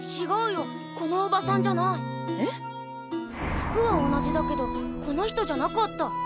服は同じだけどこの人じゃなかった。